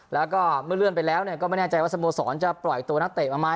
แล้วก็เมื่อเลื่อนไปแล้วก็ไม่แน่ใจว่าสโมสรจะปล่อยตัวนักเตะมาไหม